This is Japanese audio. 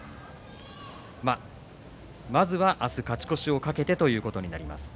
まずは明日、勝ち越しを懸けてということになります。